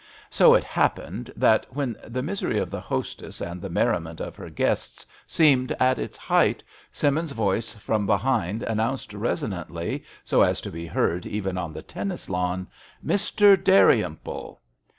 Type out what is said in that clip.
So it happened that, when the misery of the hostess and the merriment of her guests seemed at its height, Simmins's voice from behind announced reso nantly, so as to be heard even on the tennis lawn, " Mr. Dal rymple."